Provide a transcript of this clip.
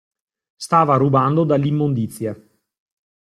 Stava rubando dall'immondizia.